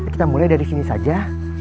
kita mulai dari sini saja